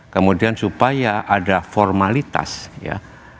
kemudian supaya ada formalitas ya